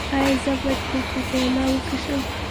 ایا زه باید کوکا کولا وڅښم؟